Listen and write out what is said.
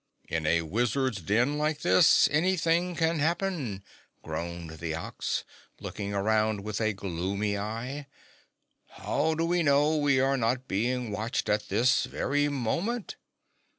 "In a wizard's den like this, anything can happen," groaned the Ox, looking around with a gloomy eye. "How do we know we are not being watched at this very moment?